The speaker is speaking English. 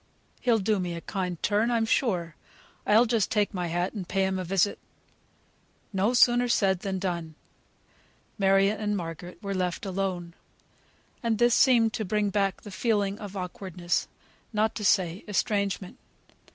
He'll do me a kind turn, I'm sure. I'll just take my hat, and pay him a visit." No sooner said, than done. Margaret and Mary were left alone. And this seemed to bring back the feeling of awkwardness, not to say estrangement.